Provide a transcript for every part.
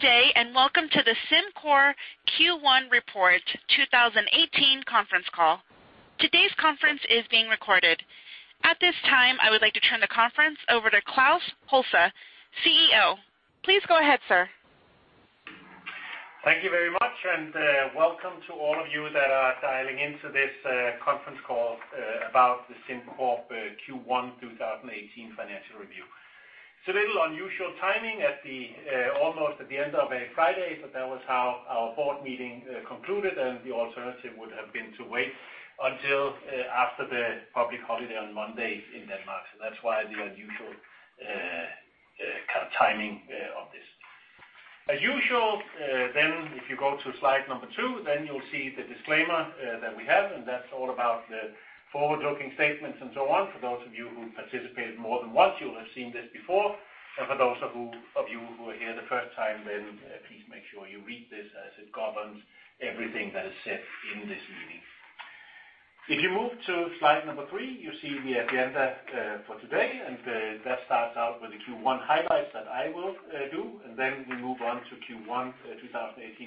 Good day, welcome to the SimCorp Q1 Report 2018 conference call. Today's conference is being recorded. At this time, I would like to turn the conference over to Klaus Holse, CEO. Please go ahead, sir. Thank you very much, welcome to all of you that are dialing into this conference call about the SimCorp Q1 2018 financial review. It's a little unusual timing almost at the end of a Friday, but that was how our board meeting concluded, and the alternative would have been to wait until after the public holiday on Monday in Denmark. That's why the unusual timing of this. As usual, if you go to slide number two, you'll see the disclaimer that we have, that's all about the forward-looking statements and so on. For those of you who participated more than once, you will have seen this before. For those of you who are here the first time, please make sure you read this as it governs everything that is said in this meeting. If you move to slide three, you see the agenda for today, that starts out with the Q1 highlights that I will do. We move on to Q1 2018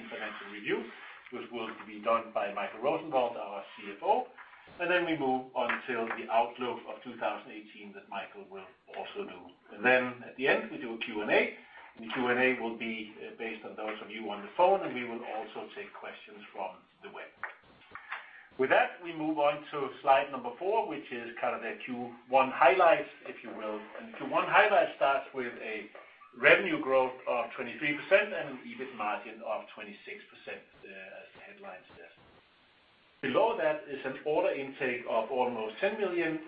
financial review, which will be done by Michael Rosenvold, our CFO. We move on to the outlook of 2018 that Michael will also do. At the end, we do a Q&A, the Q&A will be based on those of you on the phone, we will also take questions from the web. With that, we move on to slide four, which is the Q1 highlights, if you will. Q1 highlights starts with a revenue growth of 23% and an EBIT margin of 26%, as the headline says. Below that is an order intake of almost €10 million,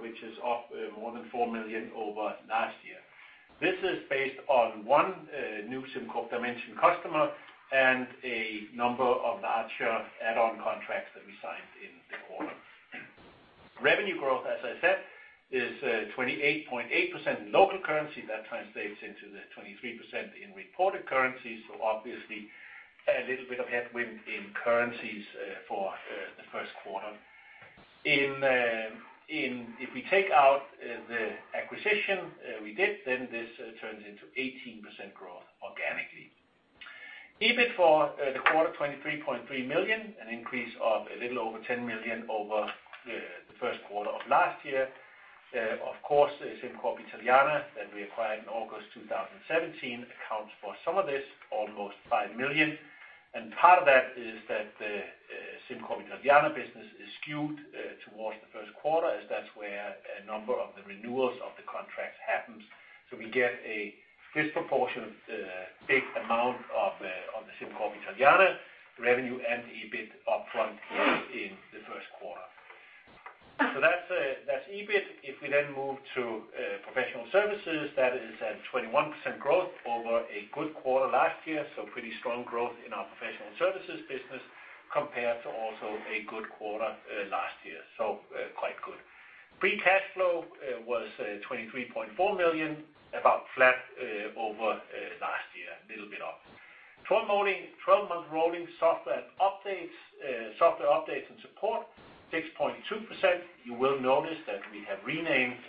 which is up more than 4 million over last year. This is based on one new SimCorp Dimension customer and a number of larger add-on contracts that we signed in the quarter. Revenue growth, as I said, is 28.8% in local currency. That translates into the 23% in reported currency, obviously a little bit of headwind in currencies for the first quarter. If we take out the acquisition we did, this turns into 18% growth organically. EBIT for the quarter, 23.3 million, an increase of a little over 10 million over the first quarter of last year. Of course, SimCorp Italiana, that we acquired in August 2017, accounts for some of this, almost 5 million. Part of that is that the SimCorp Italiana business is skewed towards the first quarter, as that's where a number of the renewals of the contracts happens. We get a disproportionate big amount of the SimCorp Italiana revenue and EBIT upfront load in the first quarter. That's EBIT. We move to professional services, that is at 21% growth over a good quarter last year. Pretty strong growth in our professional services business compared to also a good quarter last year. Quite good. Free cash flow was 23.4 million, about flat over last year, a little bit up. Twelve-month rolling software updates and support, 6.2%. You will notice that we have renamed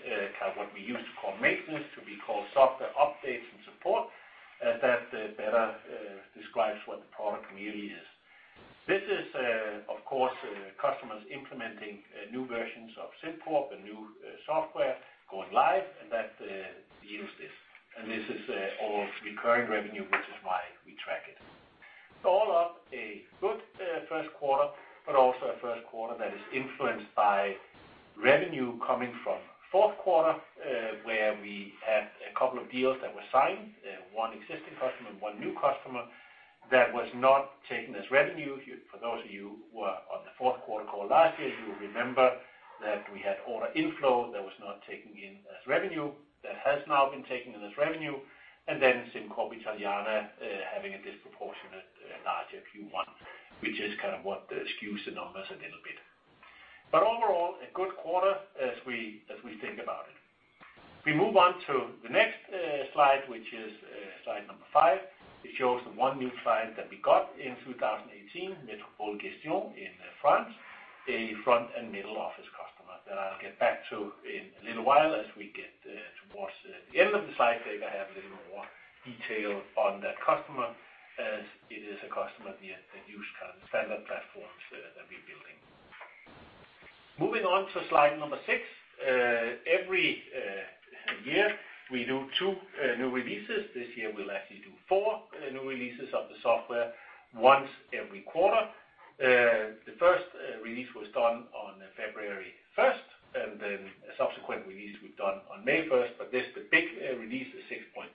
what we used to call maintenance to be called software updates and support, as that better describes what the product really is. This is, of course, customers implementing new versions of SimCorp and new software going live, and that yields this. This is all recurring revenue, which is why we track it. All up, a good first quarter, but also a first quarter that is influenced by revenue coming from fourth quarter, where we had a couple of deals that were signed, one existing customer and one new customer that was not taken as revenue. For those of you who were on the fourth quarter call last year, you'll remember that we had order inflow that was not taken in as revenue. That has now been taken in as revenue, and SimCorp Italiana having a disproportionate larger Q1, which is what skews the numbers a little bit. Overall, a good quarter as we think about it. We move on to the next slide, which is slide number five. It shows the one new client that we got in 2018, Metropole Gestion in France, a front and middle office customer that I'll get back to in a little while as we get towards the end of the slide deck. I have a little more detail on that customer as it is a customer via the standard platforms that we're building. Moving on to slide number six. Every year, we do two new releases. This year, we'll actually do four new releases of the software once every quarter. The first release was done on February 1st, and a subsequent release we've done on May 1st. This, the big release is 6.3,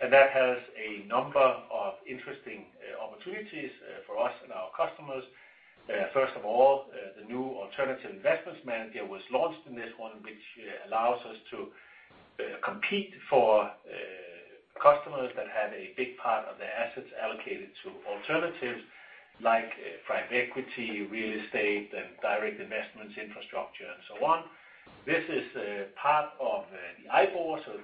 and that has a number of interesting opportunities for us and our customers. First of all, the new alternative investments manager was launched in this one, which allows us to compete for customers that have a big part of their assets allocated to alternatives like private equity, real estate, and direct investments, infrastructure, and so on. This is part of the IBOR, the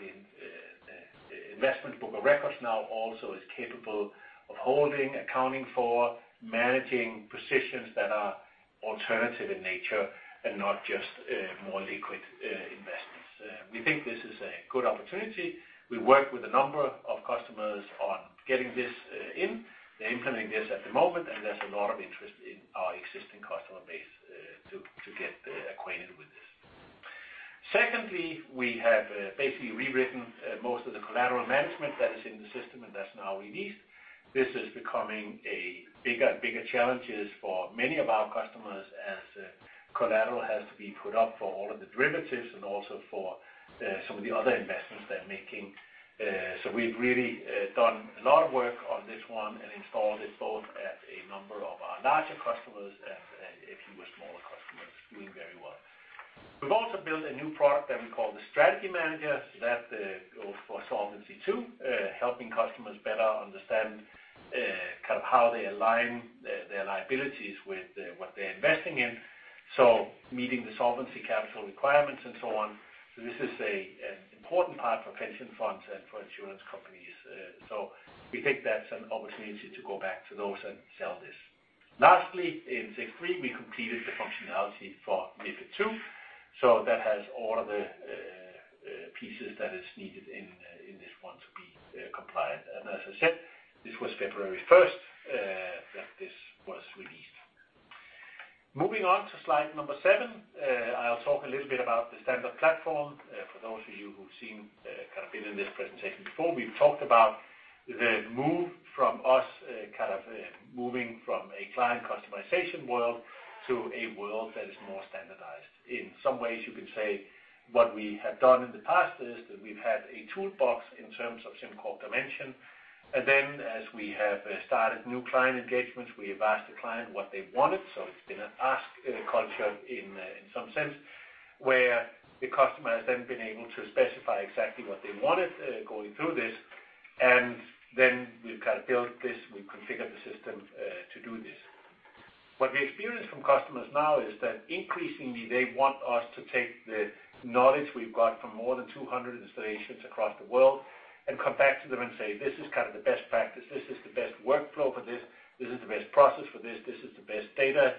Investment book of records now also is capable of holding, accounting for, managing positions that are alternative in nature and not just more liquid investments. We think this is a good opportunity. We work with a number of customers on getting this in. They're implementing this at the moment, and there's a lot of interest in our existing customer base to get acquainted with this. Secondly, we have basically rewritten most of the collateral management that is in the system, and that's now released. This is becoming a bigger challenge for many of our customers as collateral has to be put up for all of the derivatives and also for some of the other investments they're making. We've really done a lot of work on this one and installed it both at a number of our larger customers and a few smaller customers. Doing very well. We've also built a new product that we call the Strategy Manager. That goes for Solvency II, helping customers better understand how they align their liabilities with what they're investing in. Meeting the solvency capital requirements and so on. This is an important part for pension funds and for insurance companies. We think that's an opportunity to go back to those and sell this. Lastly, in Q3, we completed the functionality for MiFID II. That has all of the pieces that is needed in this one to be compliant. As I said, this was February 1st that this was released. Moving on to slide number seven, I'll talk a little bit about the standard platform. For those of you who've been in this presentation before, we've talked about the move from us, moving from a client customization world to a world that is more standardized. In some ways, you could say what we have done in the past is that we've had a toolbox in terms of SimCorp Dimension. Then as we have started new client engagements, we have asked the client what they wanted. It's been an ask culture in some sense, where the customer has then been able to specify exactly what they wanted going through this. Then we've built this, we've configured the system to do this. What we experience from customers now is that increasingly, they want us to take the knowledge we've got from more than 200 installations across the world and come back to them and say, "This is the best practice. This is the best workflow for this. This is the best process for this. This is the best data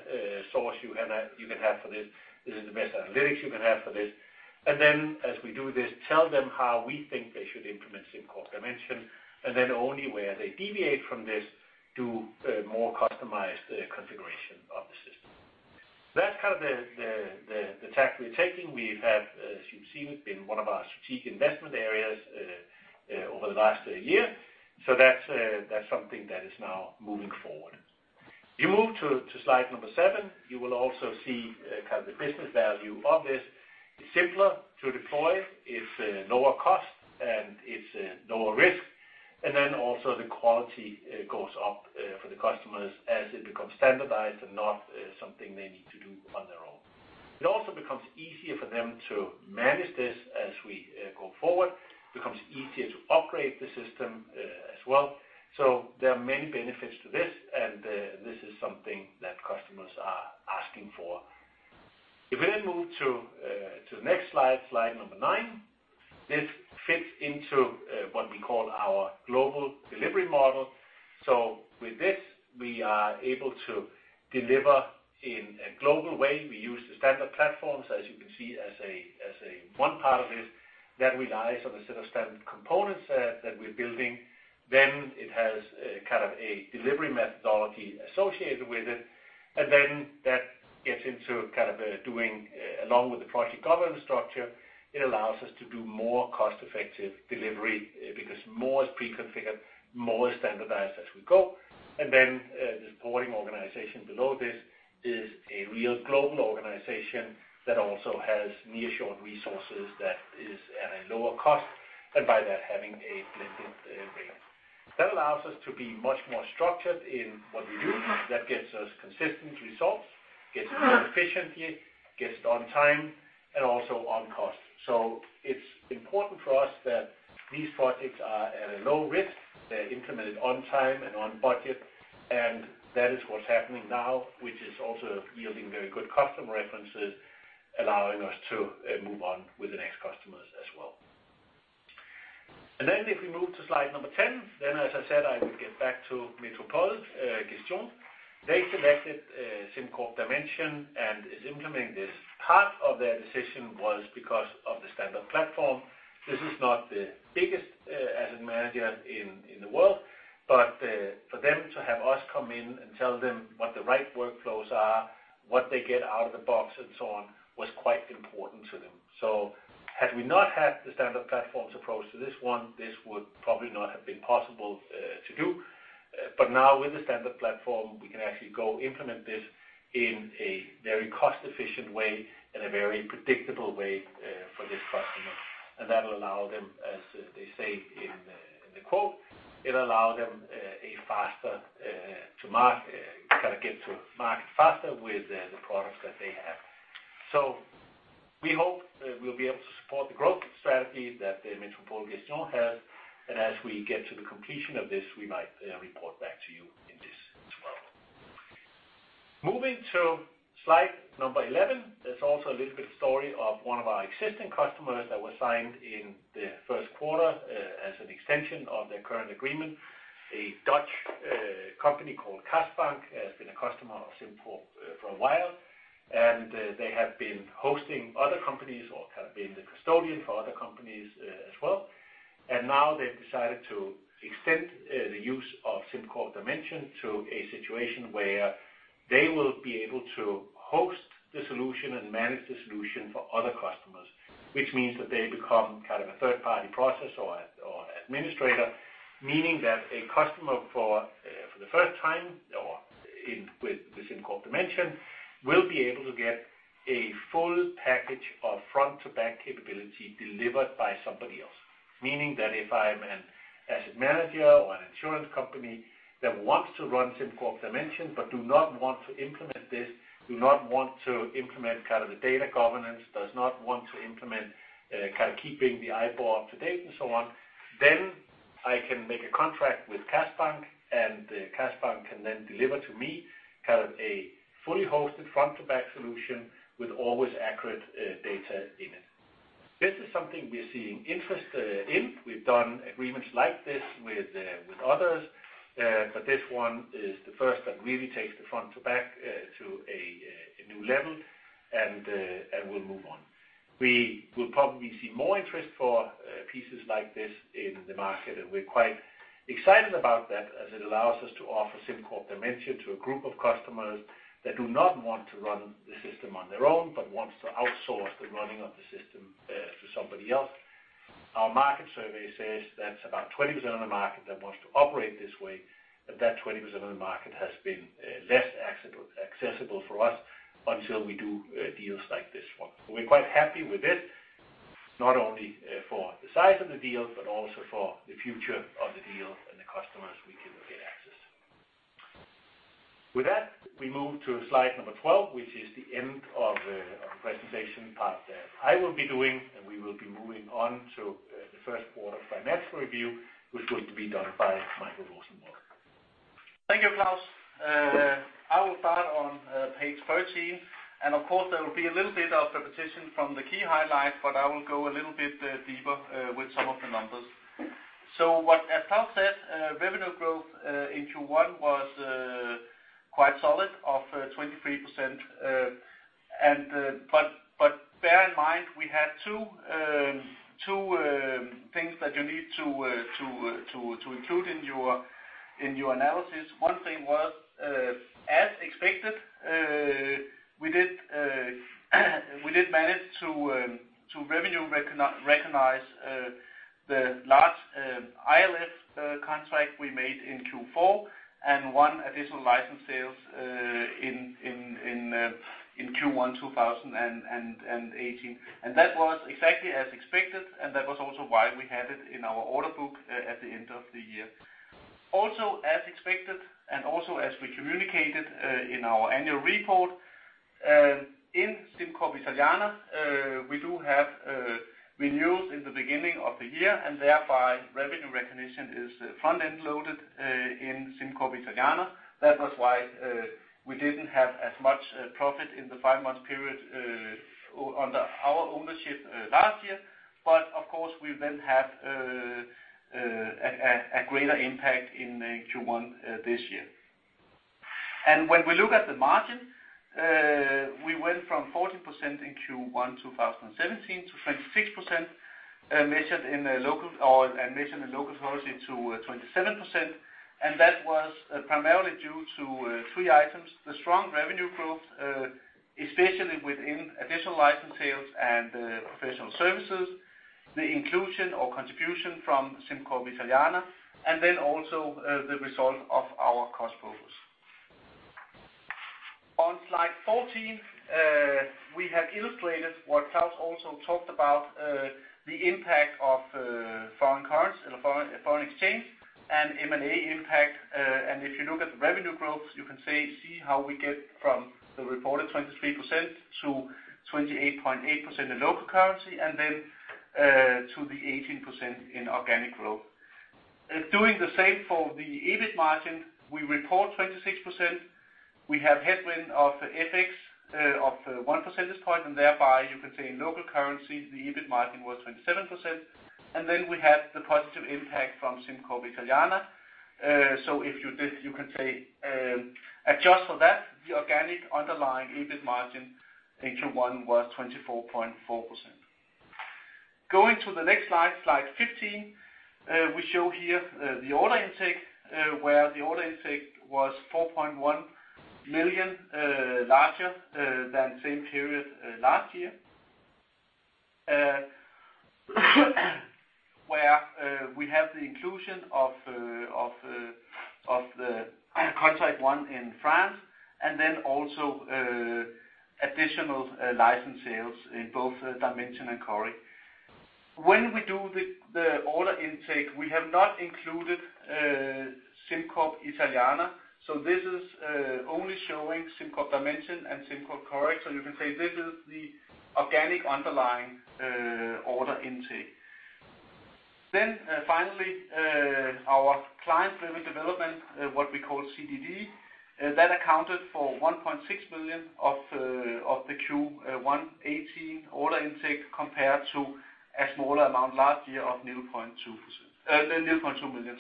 source you can have for this. This is the best analytics you can have for this." Then as we do this, tell them how we think they should implement SimCorp Dimension, and then only where they deviate from this do more customized configuration of the system. That's the tack we're taking. We've had, as you've seen, been one of our strategic investment areas over the last year. That's something that is now moving forward. You move to slide number seven, you will also see the business value of this. It's simpler to deploy, it's lower cost, and it's lower risk. Then also the quality goes up for the customers as it becomes standardized and not something they need to do on their own. It also becomes easier for them to manage this as we go forward. Becomes easier to operate the system as well. There are many benefits to this, and this is something that customers are asking for. If we move to the next slide number nine, this fits into what we call our global delivery model. With this, we are able to deliver in a global way. We use the standard platforms, as you can see, as a one part of this that relies on a set of standard components that we're building. It has kind of a delivery methodology associated with it. That gets into kind of doing along with the project governance structure, it allows us to do more cost-effective delivery because more is pre-configured, more is standardized as we go. The supporting organization below this is a real global organization that also has near-shore resources that is at a lower cost, and by that, having a blended rate. That allows us to be much more structured in what we do. That gets us consistent results, gets more efficiency, gets on time, and also on cost. It's important for us that these projects are at a low risk. They're implemented on time and on budget, and that is what's happening now, which is also yielding very good customer references, allowing us to move on with the next customers as well. If we move to slide number 10, as I said, I would get back to Metropole Gestion. They selected SimCorp Dimension and is implementing this. Part of their decision was because of the standard platform. This is not the biggest asset manager in the world, but for them to have us come in and tell them what the right workflows are, what they get out of the box, and so on, was quite important to them. Had we not had the standard platforms approach to this one, this would probably not have been possible to do. Now with the standard platform, we can actually go implement this in a very cost-efficient way and a very predictable way for this customer. That'll allow them, as they say in the quote, it'll allow them a faster to kind of get to market faster with the products that they have. We hope that we'll be able to support the growth strategy that Metropole Gestion has. As we get to the completion of this, we might report back to you in due course. Moving to slide number 11. There's also a little bit of story of one of our existing customers that was signed in the first quarter as an extension of their current agreement. A Dutch company called KAS BANK, has been a customer of SimCorp for a while, and they have been hosting other companies or have been the custodian for other companies as well. Now they've decided to extend the use of SimCorp Dimension to a situation where they will be able to host the solution and manage the solution for other customers. Which means that they become a third-party processor or administrator, meaning that a customer for the first time with SimCorp Dimension, will be able to get a full package of front-to-back capability delivered by somebody else. Meaning that if I am an asset manager or an insurance company that wants to run SimCorp Dimension, but do not want to implement this, do not want to implement the data governance, does not want to implement keeping the IBOR up to date, and so on, I can make a contract with KAS BANK, and KAS BANK can then deliver to me a fully hosted front-to-back solution with always accurate data in it. This is something we're seeing interest in. We've done agreements like this with others, but this one is the first that really takes the front to back to a new level. We will probably see more interest for pieces like this in the market, and we're quite excited about that, as it allows us to offer SimCorp Dimension to a group of customers that do not want to run the system on their own, but wants to outsource the running of the system to somebody else. Our market survey says that's about 20% of the market that wants to operate this way, but that 20% of the market has been less accessible for us until we do deals like this one. We're quite happy with this, not only for the size of the deal, but also for the future of the deal and the customers we can get access to. With that, we move to slide number 12, which is the end of the presentation part that I will be doing, and we will be moving on to the first quarter financial review, which is going to be done by Michael Rosenvold. Thank you, Klaus. I will start on page 13. Of course, there will be a little bit of repetition from the key highlights, but I will go a little bit deeper with some of the numbers. What Klaus said, revenue growth in Q1 was quite solid of 23%, but bear in mind, we had two things that you need to include in your analysis. One thing was as expected, we did manage to revenue recognize the large ILF contract we made in Q4 and one additional license sales in Q1 2018. That was exactly as expected, and that was also why we had it in our order book at the end of the year. As expected, as we communicated in our annual report, in SimCorp Italiana, we do have renewals in the beginning of the year, and thereby revenue recognition is front-end loaded in SimCorp Italiana. That was why we didn't have as much profit in the five-month period under our ownership last year. Of course, we then have a greater impact in Q1 this year. When we look at the margin, we went from 14% in Q1 2017 to 26%, measured in local currency to 27%, and that was primarily due to three items. The strong revenue growth, especially within additional license sales and professional services, the inclusion or contribution from SimCorp Italiana, and then also the result of our cost focus. On slide 14, we have illustrated what Klaus also talked about, the impact of foreign currency or foreign exchange and M&A impact. If you look at the revenue growth, you can see how we get from the reported 23% to 28.8% in local currency, to the 18% in organic growth. Doing the same for the EBIT margin, we report 26%. We have headwind of FX of one percentage point, thereby you can say in local currency, the EBIT margin was 27%. Then we had the positive impact from SimCorp Italiana. If you did, you can say adjust for that, the organic underlying EBIT margin in Q1 was 24.4%. Going to the next slide 15. We show here the order intake, where the order intake was 4.1 million larger than same period last year. Where we have the inclusion of the contract won in France, and also additional license sales in both Dimension and Coric. When we do the order intake, we have not included SimCorp Italiana, this is only showing SimCorp Dimension and SimCorp Coric. You can say this is the organic underlying order intake. Finally, our client-driven development, what we call CDD, that accounted for 1.6 million of the Q1 2018 order intake compared to a smaller amount last year of 0.2 million.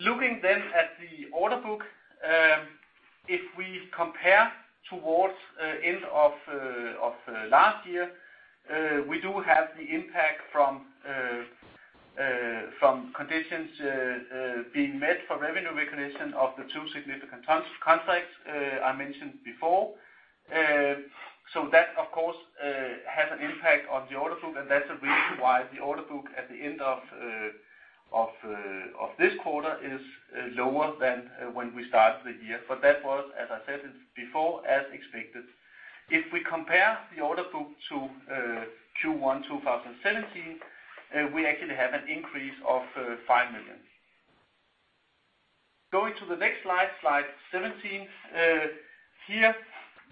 Looking at the order book, if we compare towards end of last year, we do have the impact from conditions being met for revenue recognition of the two significant contracts I mentioned before. That of course, has an impact on the order book, and that is the reason why the order book at the end of this quarter is lower than when we started the year. That was, as I said it before, as expected. If we compare the order book to Q1 2017, we actually have an increase of 5 million. Going to the next slide 17. Here,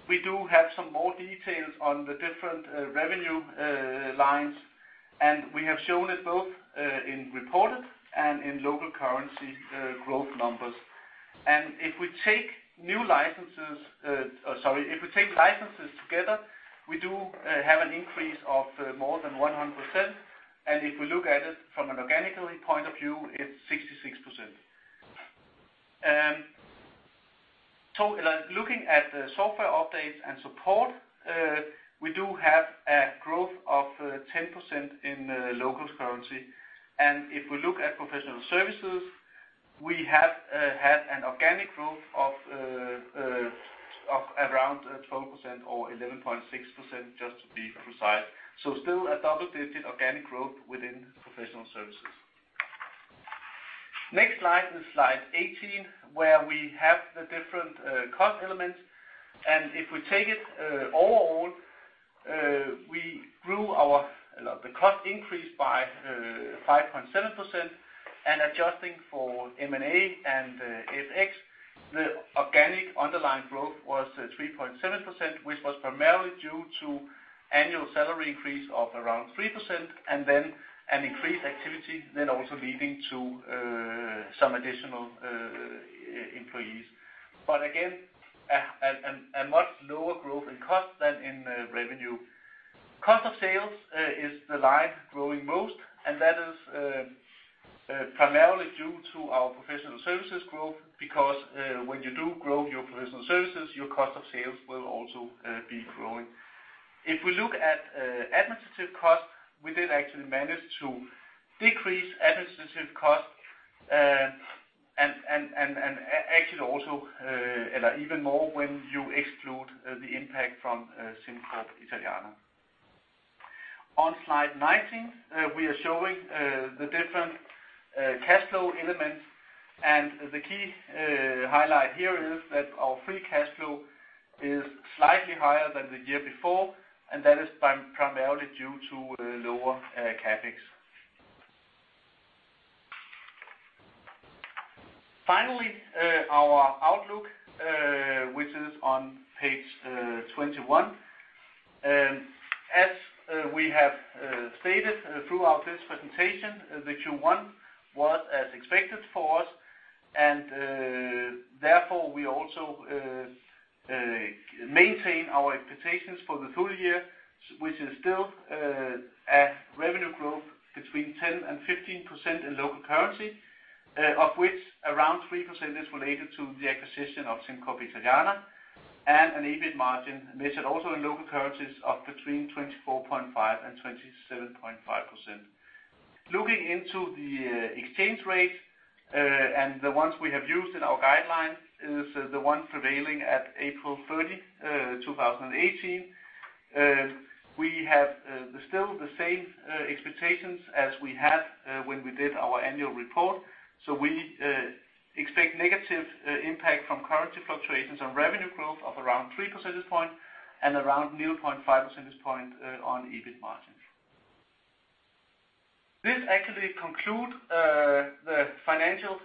we do have some more details on the different revenue lines, and we have shown it both in reported and in local currency growth numbers. If we take licenses together, we do have an increase of more than 100%. If we look at it from an organic point of view, it is 66%. Looking at the software updates and support, we do have a growth of 10% in local currency. If we look at professional services, we have had an organic growth of around 12% or 11.6%, just to be precise. Still a double-digit organic growth within professional services. Next slide is slide 18, where we have the different cost elements. If we take it overall, the cost increased by 5.7%. Adjusting for M&A and FX, the organic underlying growth was 3.7%, which was primarily due to annual salary increase of around 3% and an increased activity also leading to some additional employees. Again, a much lower growth in cost than in revenue. Cost of sales is the line growing most, and that is primarily due to our professional services growth, because when you do grow your professional services, your cost of sales will also be growing. If we look at administrative costs, we did actually manage to decrease administrative costs, and actually even more when you exclude the impact from SimCorp Italiana. On slide 19, we are showing the different cash flow elements, the key highlight here is that our free cash flow is slightly higher than the year before, and that is primarily due to lower CapEx. Finally, our outlook, which is on page 21. As we have stated throughout this presentation, the Q1 was as expected for us, therefore we also maintain our expectations for the full year, which is still a revenue growth between 10% and 15% in local currency, of which around 3% is related to the acquisition of SimCorp Italiana and an EBIT margin measured also in local currencies of between 24.5% and 27.5%. Looking into the exchange rate, the ones we have used in our guidelines is the one prevailing at April 30, 2018. We have still the same expectations as we had when we did our annual report. We expect negative impact from currency fluctuations on revenue growth of around three percentage point and around 0.5 percentage point on EBIT margins. This actually conclude the financial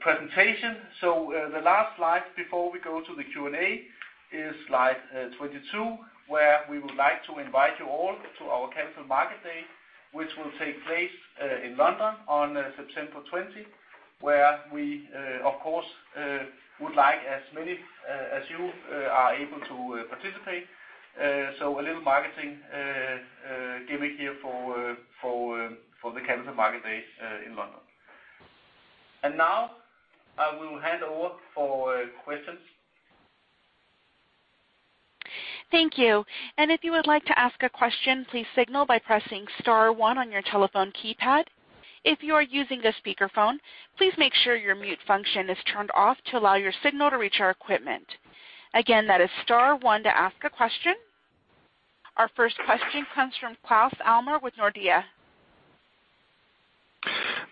presentation. The last slide before we go to the Q&A is slide 22, where we would like to invite you all to our Capital Markets Day, which will take place in London on September 20, where we, of course, would like as many as you are able to participate. A little marketing gimmick here for the Capital Markets Day in London. Now I will hand over for questions. Thank you. If you would like to ask a question, please signal by pressing star one on your telephone keypad. If you are using the speakerphone, please make sure your mute function is turned off to allow your signal to reach our equipment. Again, that is star one to ask a question. Our first question comes from Claus Almer with Nordea.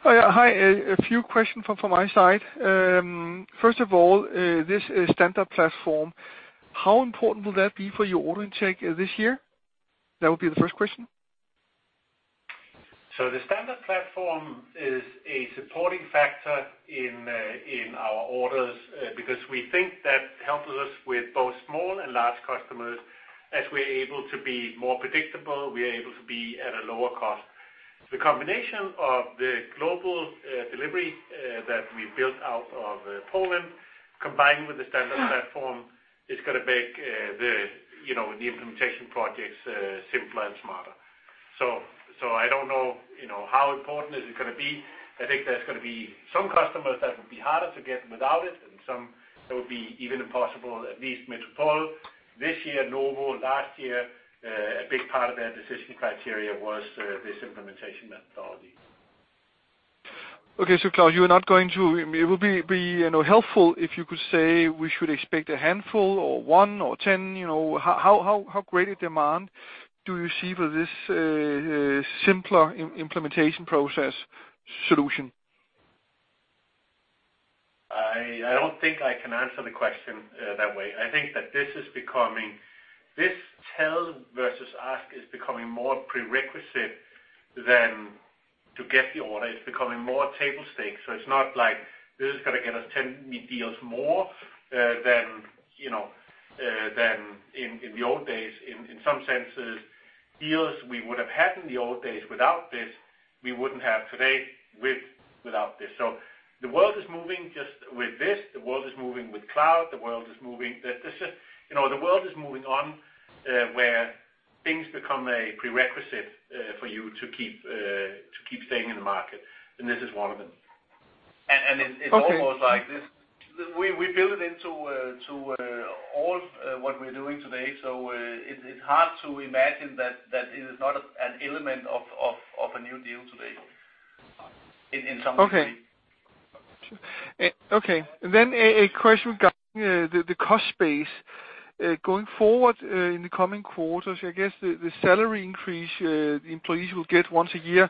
Hi. A few questions from my side. First of all, this Standard Platform, how important will that be for your order intake this year? That would be the first question. The standard platform is a supporting factor in our orders because we think that helps us with both small and large customers as we are able to be more predictable, we are able to be at a lower cost. The combination of the global delivery that we built out of Poland, combined with the standard platform, is going to make the implementation projects simpler and smarter. I don't know how important is it going to be. I think there's going to be some customers that will be harder to get without it, and some that would be even impossible, at least Metropole this year, Novo last year, a big part of their decision criteria was this implementation methodology. Okay. Klaus, it would be helpful if you could say we should expect a handful or one or 10. How great a demand do you see for this simpler implementation process solution? I don't think I can answer the question that way. I think that this tell versus ask is becoming more prerequisite than to get the order. It's becoming more table stakes. It's not like this is going to get us 10 new deals more than in the old days. In some senses, deals we would have had in the old days without this, we wouldn't have today without this. The world is moving just with this. The world is moving with cloud. The world is moving on, where things become a prerequisite for you to keep staying in the market. This is one of them. Okay. It's almost like we build into all of what we're doing today, so it's hard to imagine that it is not an element of a new deal today in some way. A question regarding the cost base. Going forward in the coming quarters, I guess the salary increase the employees will get once a year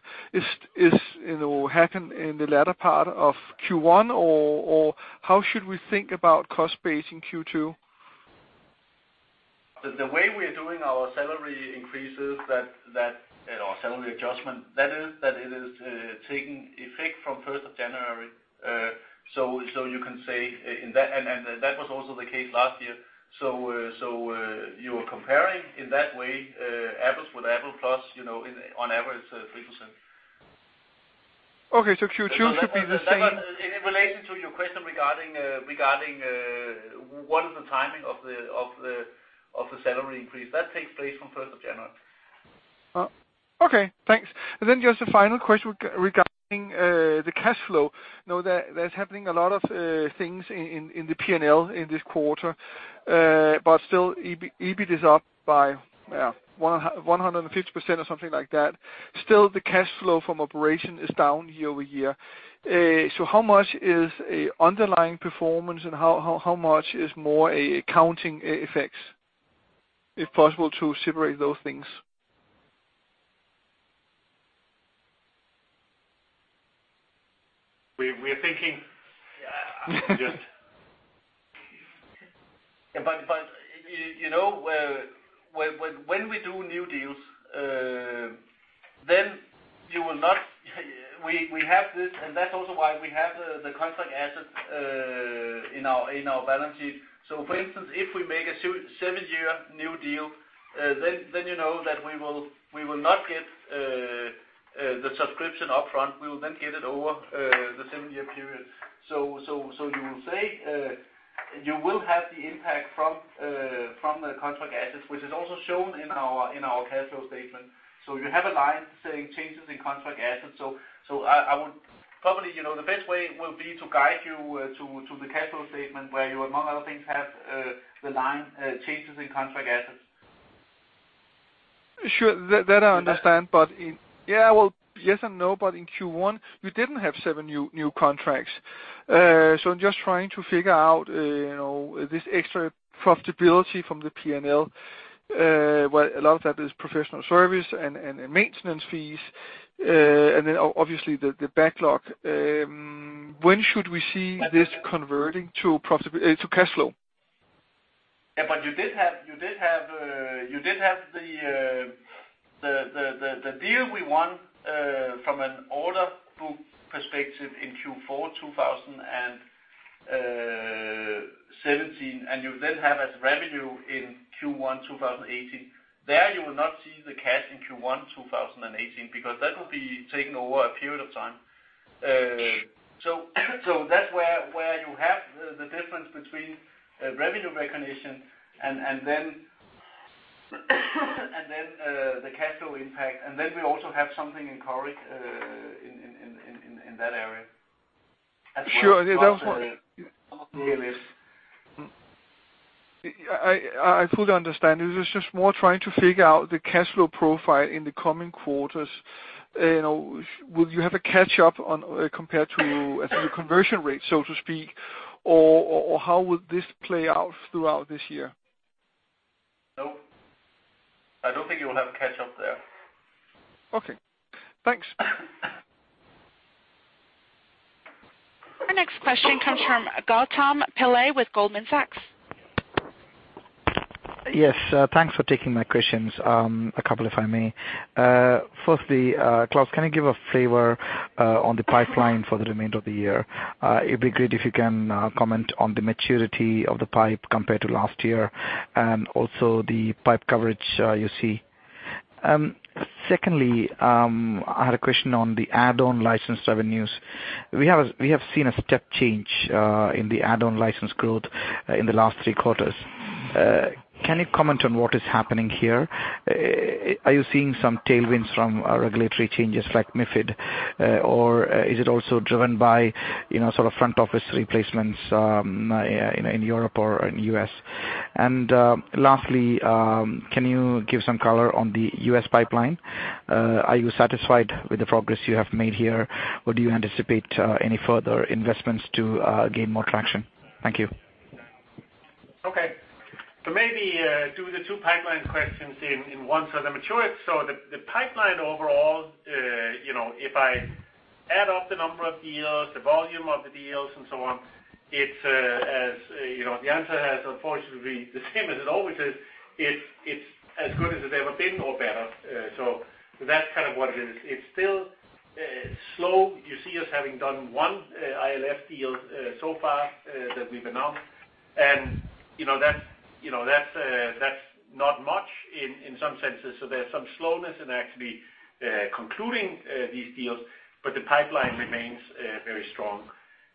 will happen in the latter part of Q1, or how should we think about cost base in Q2? The way we are doing our salary increases, or salary adjustment, that is, that it is taking effect from 1st of January. That was also the case last year. You are comparing, in that way, apples with apple plus, on average 3%. Okay. Q2 should be the same. In relation to your question regarding what is the timing of the salary increase. That takes place from 1st of January. Okay, thanks. Just a final question regarding the cash flow. There's happening a lot of things in the P&L in this quarter. Still, EBIT is up by 150% or something like that. Still, the cash flow from operation is down year-over-year. How much is underlying performance and how much is more accounting effects, if possible to separate those things? We are thinking. When we do new deals, and that's also why we have the contract assets in our balance sheet. For instance, if we make a seven-year new deal, then you know that we will not get the subscription upfront. We will then get it over the seven-year period. You will have the impact from the contract assets, which is also shown in our cash flow statement. You have a line saying changes in contract assets. Probably, the best way will be to guide you to the cash flow statement, where you, among other things, have the line changes in contract assets. Sure. That I understand. Yes and no, in Q1, you didn't have seven new contracts. I'm just trying to figure out this extra profitability from the P&L, where a lot of that is professional service and maintenance fees, and then obviously the backlog. When should we see this converting to cash flow? Yeah, you did have the deal we won from an order book perspective in Q4 2017, and you then have as revenue in Q1 2018. There, you will not see the cash in Q1 2018, because that will be taken over a period of time. That's where you have the difference between revenue recognition and then the cash flow impact. We also have something in Coric, in that area as well. Sure. Also in DMS. I fully understand. It was just more trying to figure out the cash flow profile in the coming quarters. Will you have a catch up compared to your conversion rate, so to speak? How would this play out throughout this year? No. I don't think you will have a catch up there. Okay. Thanks. Our next question comes from Gautam Pillai with Goldman Sachs. Yes. Thanks for taking my questions. A couple, if I may. Firstly, Klaus, can you give a flavor on the pipeline for the remainder of the year? It'd be great if you can comment on the maturity of the pipe compared to last year, and also the pipe coverage you see. Secondly, I had a question on the add-on license revenues. We have seen a step change in the add-on license growth in the last three quarters. Can you comment on what is happening here? Are you seeing some tailwinds from regulatory changes like MiFID, or is it also driven by sort of front-office replacements in Europe or in U.S.? Lastly, can you give some color on the U.S. pipeline? Are you satisfied with the progress you have made here, or do you anticipate any further investments to gain more traction? Thank you. Okay. Maybe do the two pipeline questions in one. The maturity. The pipeline overall, if I add up the number of deals, the volume of the deals, and so on, the answer has unfortunately the same as it always is. It's as good as it's ever been or better. That's kind of what it is. It's still slow. You see us having done one ILF deal so far that we've announced, that's not much in some senses. There's some slowness in actually concluding these deals, but the pipeline remains very strong.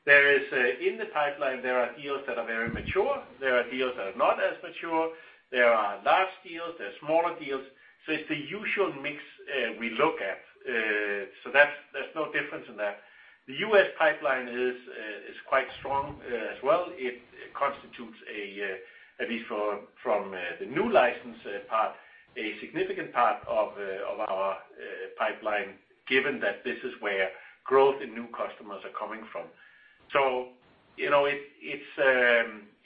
In the pipeline, there are deals that are very mature, there are deals that are not as mature, there are large deals, there are smaller deals. It's the usual mix we look at. There's no difference in that. The U.S. pipeline is quite strong as well. It constitutes at least from the new license part, a significant part of our pipeline, given that this is where growth in new customers are coming from.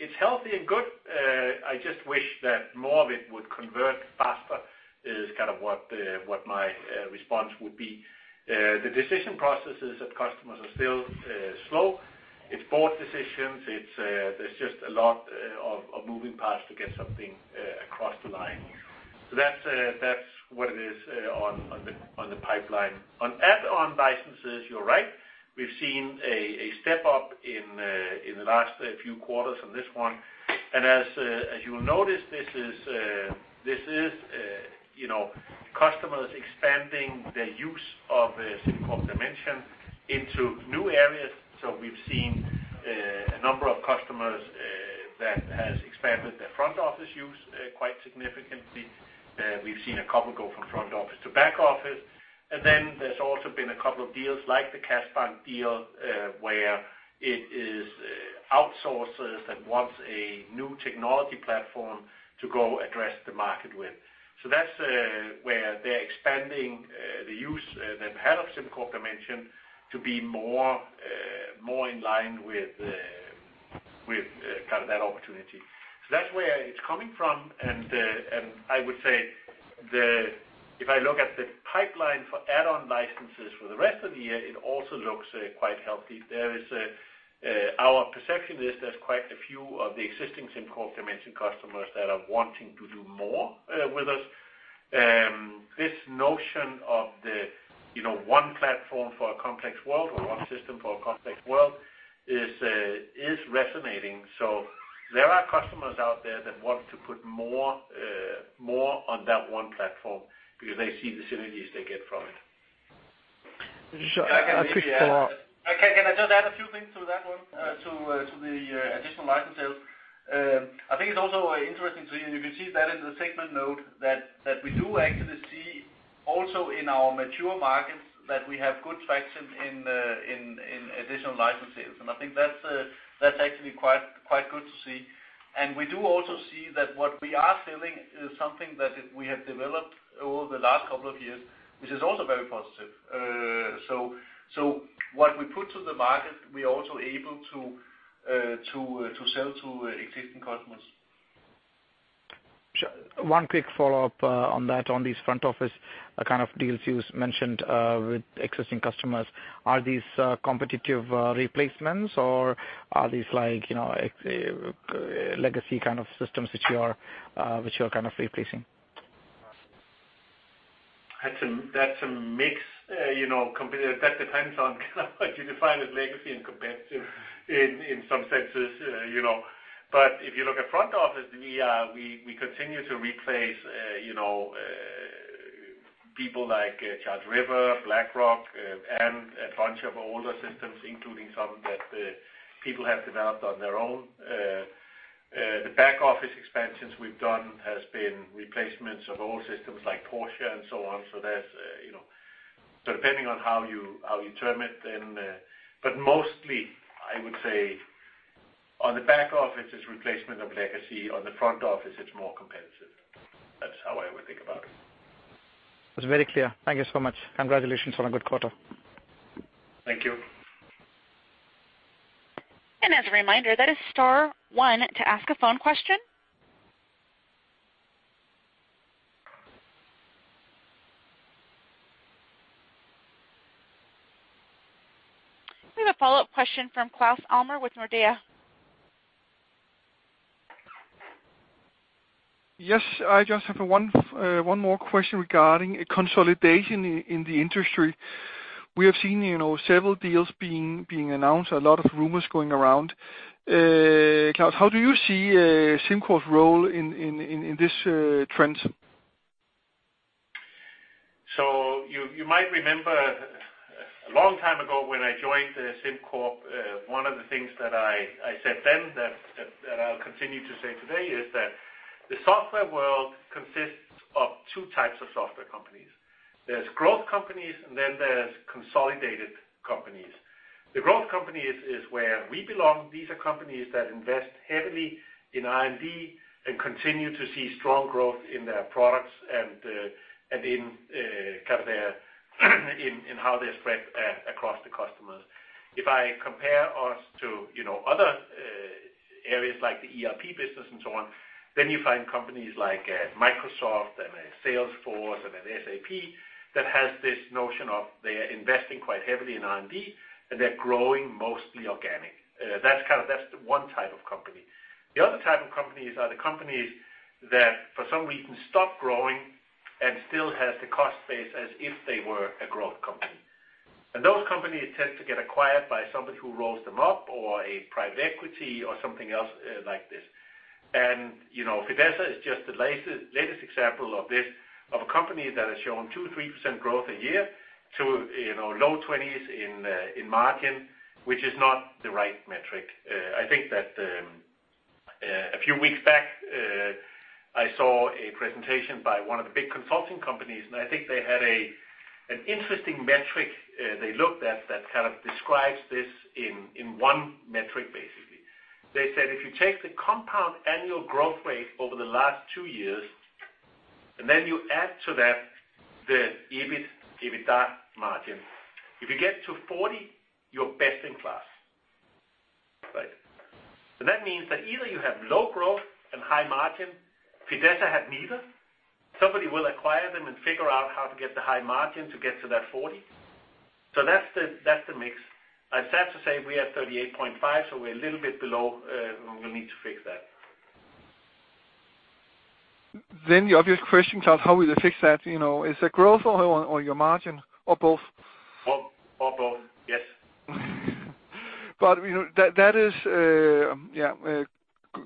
It's healthy and good. I just wish that more of it would convert faster, is kind of what my response would be. The decision processes of customers are still slow. It's board decisions. There's just a lot of moving parts to get something across the line. That's what it is on the pipeline. On add-on licenses, you're right. We've seen a step up in the last few quarters on this one. As you will notice, this is customers expanding their use of SimCorp Dimension into new areas. We've seen a number of customers that has expanded their front-office use quite significantly. We've seen a couple go from front office to back office. There's also been a couple of deals like the KAS BANK deal, where it is outsourcers that wants a new technology platform to go address the market with. That's where they're expanding the use they've had of SimCorp Dimension to be more in line with kind of that opportunity. That's where it's coming from, and I would say if I look at the pipeline for add-on licenses for the rest of the year, it also looks quite healthy. Our perception is there's quite a few of the existing SimCorp Dimension customers that are wanting to do more with us. This notion of the one platform for a complex world or one system for a complex world is resonating. There are customers out there that want to put more on that one platform because they see the synergies they get from it. Just a quick follow-up. Can I just add a few things to that one? To the additional license sales. I think it's also interesting, you can see that in the segment note that we do actually see also in our mature markets that we have good traction in additional license sales, and I think that's actually quite good to see. We do also see that what we are selling is something that we have developed over the last couple of years, which is also very positive. What we put to the market, we're also able to sell to existing customers. One quick follow-up on that. On these front-office kind of deals you mentioned with existing customers, are these competitive replacements or are these legacy kind of systems which you are kind of replacing? That's a mix. That depends on kind of what you define as legacy and competitive in some senses. If you look at front office, we continue to replace people like Charles River, BlackRock, and a bunch of older systems, including some that people have developed on their own. The back-office expansions we've done has been replacements of old systems like PORTIA and so on. Depending on how you term it then. Mostly, I would say on the back office, it's replacement of legacy. On the front office, it's more competitive. That's how I would think about it. It's very clear. Thank you so much. Congratulations on a good quarter. Thank you. As a reminder, that is star one to ask a phone question. We have a follow-up question from Claus Almer with Nordea. Yes. I just have one more question regarding consolidation in the industry. We have seen several deals being announced, a lot of rumors going around. Klaus, how do you see SimCorp's role in this trend? You might remember, a long time ago when I joined SimCorp, one of the things that I said then that I'll continue to say today is that the software world consists of two types of software companies. There's growth companies, and then there's consolidated companies. The growth companies is where we belong. These are companies that invest heavily in R&D and continue to see strong growth in their products and in how they spread across the customers. If I compare us to other areas like the ERP business and so on, you find companies like Microsoft and Salesforce and SAP, that has this notion of they're investing quite heavily in R&D, and they're growing mostly organic. That's one type of company. The other type of companies are the companies that for some reason stop growing and still have the cost base as if they were a growth company. Those companies tend to get acquired by somebody who rolls them up or a private equity or something else like this. Fidessa is just the latest example of this, of a company that has shown 2%, 3% growth a year to low 20s in margin, which is not the right metric. I think that a few weeks back, I saw a presentation by one of the big consulting companies, I think they had an interesting metric they looked at that kind of describes this in one metric, basically. They said if you take the compound annual growth rate over the last two years, you add to that the EBIT, EBITDA margin. If you get to 40, you're best in class. Right. That means that either you have low growth and high margin. Fidessa had neither. Somebody will acquire them and figure out how to get the high margin to get to that 40. That's the mix. I'm sad to say we are 38.5, we're a little bit below. We'll need to fix that. The obvious question, Klaus, how will you fix that? Is it growth or your margin or both? Both, yes. That is a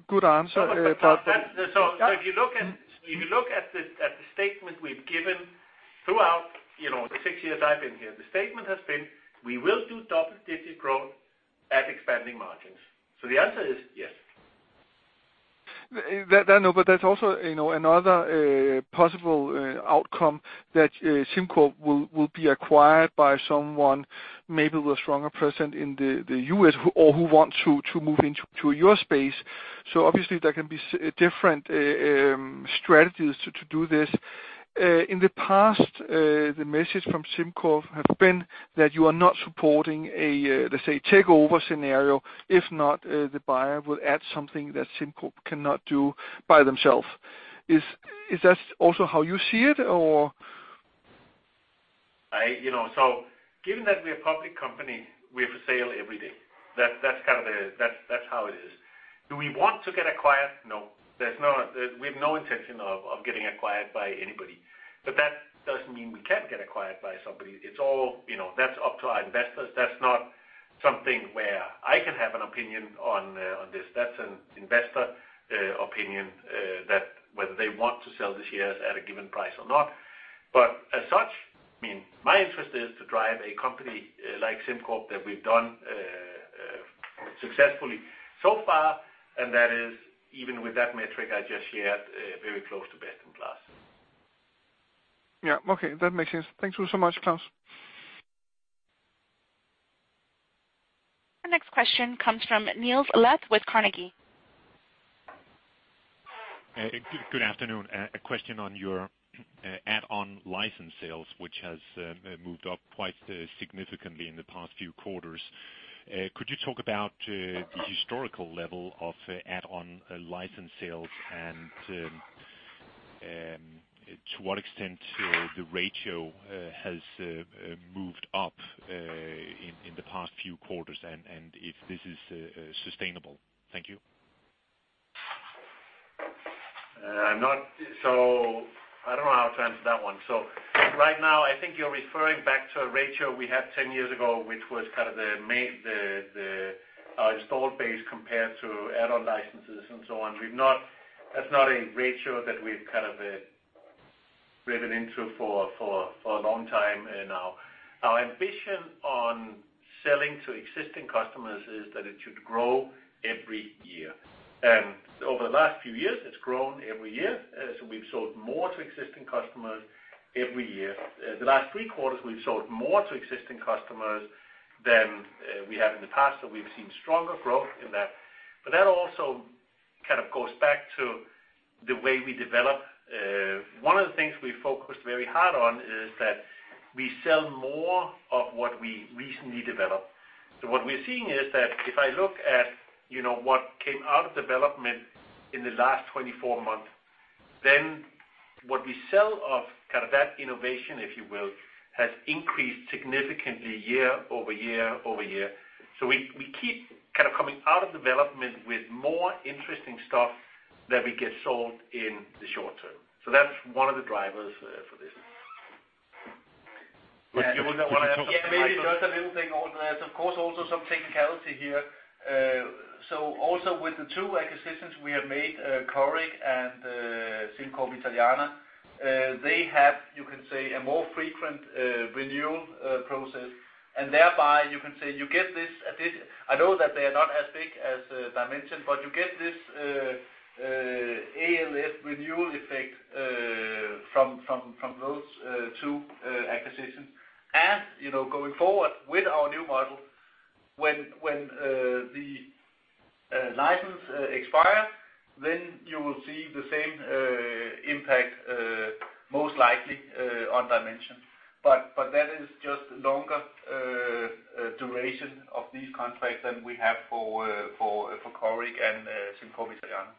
good answer. If you look at the statement we've given throughout the six years I've been here, the statement has been, we will do double-digit growth at expanding margins. The answer is yes. That I know, but that's also another possible outcome that SimCorp will be acquired by someone maybe with a stronger presence in the U.S. or who wants to move into your space. Obviously, there can be different strategies to do this. In the past, the message from SimCorp has been that you are not supporting a, let's say, takeover scenario. If not, the buyer will add something that SimCorp cannot do by themselves. Is that also how you see it, or? Given that we're a public company, we have a sale every day. That's how it is. Do we want to get acquired? No. We have no intention of getting acquired by anybody. That doesn't mean we can't get acquired by somebody. That's up to our investors. That's not something where I can have an opinion on this. That's an investor opinion, that whether they want to sell the shares at a given price or not. As such, my interest is to drive a company like SimCorp that we've done successfully so far, and that is, even with that metric I just shared, very close to best in class. Yeah. Okay. That makes sense. Thank you so much, Klaus. Our next question comes from Niels Granholm-Leth with Carnegie. Good afternoon. A question on your add-on license sales, which has moved up quite significantly in the past few quarters. Could you talk about the historical level of add-on license sales and to what extent the ratio has moved up in the past few quarters, and if this is sustainable? Thank you. I don't know how to answer that one. Right now, I think you're referring back to a ratio we had 10 years ago, which was kind of our installed base compared to add-on licenses and so on. That's not a ratio that we've kind of driven into for a long time now. Our ambition on selling to existing customers is that it should grow every year. Over the last few years, it's grown every year as we've sold more to existing customers every year. The last three quarters, we've sold more to existing customers than we have in the past, so we've seen stronger growth in that. That also kind of goes back to the way we develop. One of the things we focused very hard on is that we sell more of what we recently developed. What we're seeing is that if I look at what came out of development in the last 24 months, then what we sell of that innovation, if you will, has increased significantly year-over-year-over-year. We keep coming out of development with more interesting stuff than we get sold in the short term. That's one of the drivers for this. Could you talk- Yeah. Maybe just a little thing on that. Of course also some technicality here. Also with the two acquisitions we have made, SimCorp Coric and SimCorp Italiana, they have, you can say, a more frequent renewal process, and thereby you can say you get this addition. I know that they are not as big as SimCorp Dimension, but you get this ALF renewal effect from those two acquisitions. Going forward with our new model, when the license expires, you will see the same impact, most likely, on SimCorp Dimension. That is just a longer duration of these contracts than we have for SimCorp Coric and SimCorp Italiana.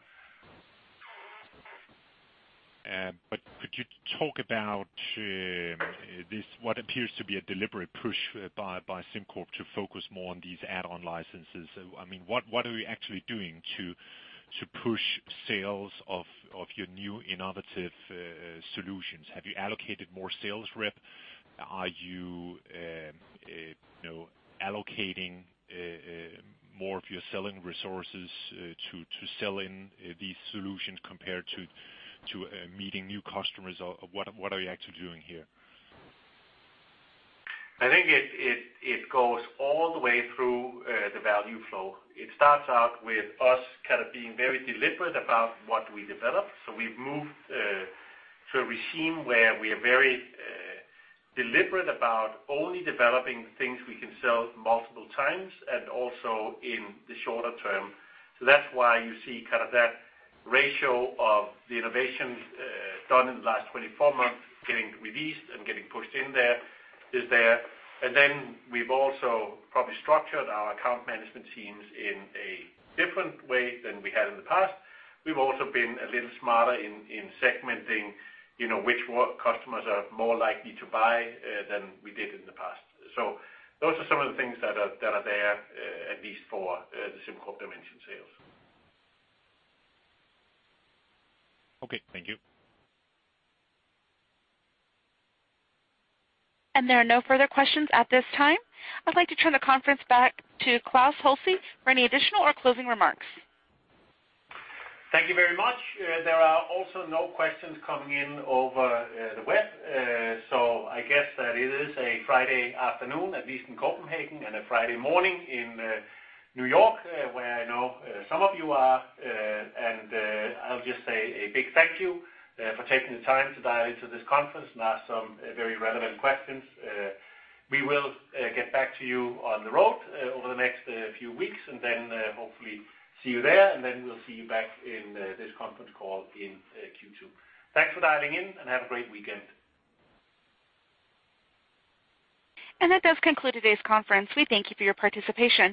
Could you talk about this, what appears to be a deliberate push by SimCorp to focus more on these add-on licenses? What are we actually doing to push sales of your new innovative solutions? Have you allocated more sales rep? Are you allocating more of your selling resources to sell in these solutions compared to meeting new customers, or what are we actually doing here? I think it goes all the way through the value flow. It starts out with us being very deliberate about what we develop. We've moved to a regime where we are very deliberate about only developing things we can sell multiple times and also in the shorter term. That's why you see that ratio of the innovations done in the last 24 months, getting released and getting pushed in there is there. We've also probably structured our account management teams in a different way than we had in the past. We've also been a little smarter in segmenting which customers are more likely to buy than we did in the past. Those are some of the things that are there, at least for the SimCorp Dimension sales. Okay. Thank you. There are no further questions at this time. I'd like to turn the conference back to Klaus Holse for any additional or closing remarks. Thank you very much. There are also no questions coming in over the web. I guess that it is a Friday afternoon, at least in Copenhagen, and a Friday morning in New York, where I know some of you are. I'll just say a big thank you for taking the time to dial into this conference and ask some very relevant questions. We will get back to you on the road over the next few weeks, and then hopefully see you there, and then we'll see you back in this conference call in Q2. Thanks for dialing in, and have a great weekend. That does conclude today's conference. We thank you for your participation.